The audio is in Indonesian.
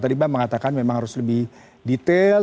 tadi bang mengatakan memang harus lebih detail